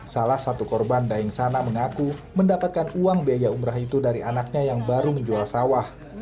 salah satu korban daeng sana mengaku mendapatkan uang biaya umrah itu dari anaknya yang baru menjual sawah